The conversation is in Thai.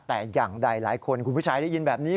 แต่อย่างใดหลายคนคุณผู้ชายได้ยินแบบนี้